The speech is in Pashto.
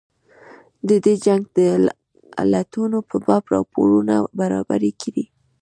د دې جنګ د علتونو په باب راپورونه برابر کړي.